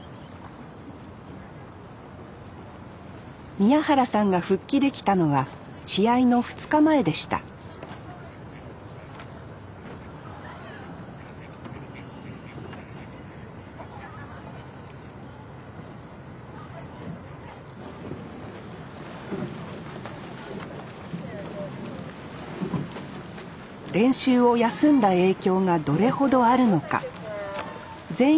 宮原さんが復帰できたのは試合の２日前でした練習を休んだ影響がどれほどあるのか全員が量りかねていました